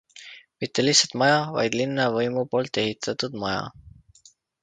Mitte lihtsalt maja, vaid linnavõimu poolt ehitatud maja.